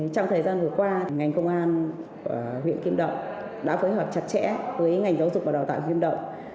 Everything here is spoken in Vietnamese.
trong thời gian vừa qua ngành công an của huyện kim đậu đã phối hợp chặt chẽ với ngành giáo dục và đào tạo kim đậu